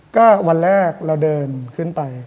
ก็วันแรกเราเดินขึ้นไป